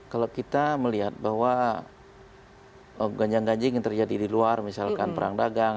kalau kita melihat bahwa ganjing ganjing yang terjadi di luar misalkan perang dagang